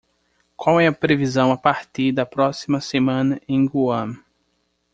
qual é a previsão a partir da próxima semana em Guam